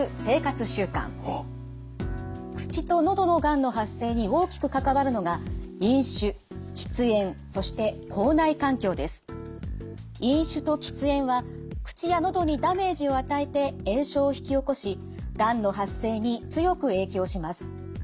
口と喉のがんの発生に大きく関わるのが飲酒と喫煙は口や喉にダメージを与えて炎症を引き起こしがんの発生に強く影響します。